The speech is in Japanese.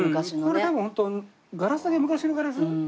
これでもホントガラスだけ昔のガラス？